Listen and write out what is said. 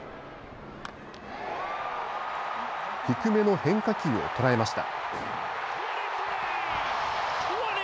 低めの変化球を捉えました。